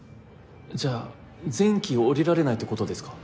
じゃあ全機降りられないって事ですか？